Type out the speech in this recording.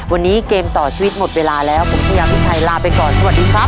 วันนี้เกมต่อชีวิตหมดเวลาแล้วผมชายาพิชัยลาไปก่อนสวัสดีครับ